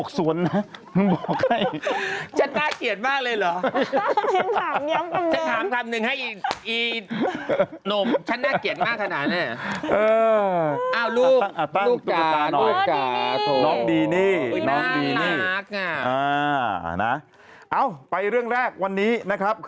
ก็เลยใส่ชุดสีขาวเต้นนะ